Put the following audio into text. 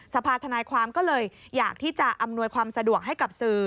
สภาธนายความก็เลยอยากที่จะอำนวยความสะดวกให้กับสื่อ